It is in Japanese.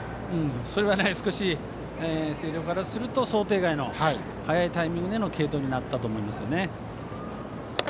それは少し星稜からすると想定外の早いタイミングでの継投になったと思いますね。